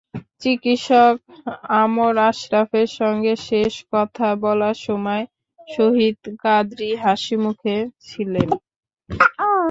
চিকিৎসক আমর আশরাফের সঙ্গে শেষ কথা বলার সময় শহীদ কাদরী হাসিখুশি ছিলেন।